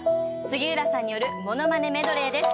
杉浦さんによるモノマネメドレーです。